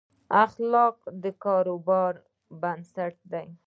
اخلاق د کاروبار بنسټ دي.